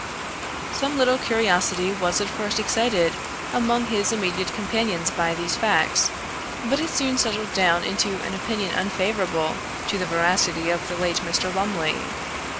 Some little curiosity was at first excited among his immediate companions by these facts, but it soon settled down into an opinion unfavorable to the veracity of the late Mr. Lumley.